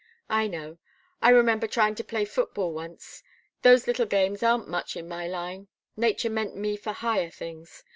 "I know. I remember trying to play football once. Those little games aren't much in my line. Nature meant me for higher things.